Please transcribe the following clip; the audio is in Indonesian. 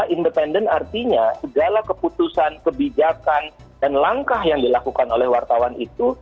independen artinya segala keputusan kebijakan dan langkah yang dilakukan oleh wartawan itu